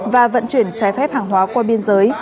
và vận chuyển trái phép hàng hóa qua biên giới